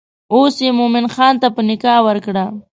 اوس یې مومن خان ته په نکاح ورکړه.